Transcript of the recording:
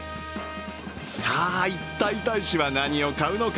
さあ一体、大使は何を買うのか。